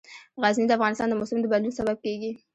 غزني د افغانستان د موسم د بدلون سبب کېږي.